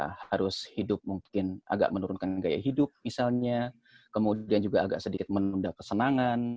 karena harus hidup mungkin agak menurunkan gaya hidup misalnya kemudian juga agak sedikit menunda kesenangan